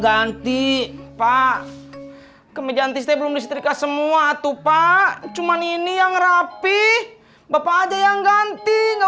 ganti pak kemeja ntis teh belum disetrika semua tuh pak cuman ini yang rapih bapak aja yang ganti nggak